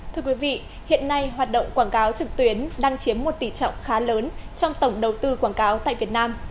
thưa quý vị hiện nay hoạt động quảng cáo trực tuyến đang chiếm một tỷ trọng khá lớn trong tổng đầu tư quảng cáo tại việt nam